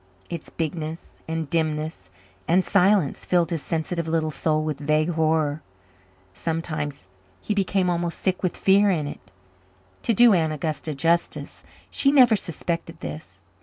Its bigness and dimness and silence filled his sensitive little soul with vague horror. Sometimes he became almost sick with fear in it. To do Aunt Augusta justice, she never suspected this.